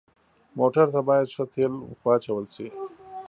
موټر ته باید ښه تیلو واچول شي.